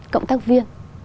cộng tác viên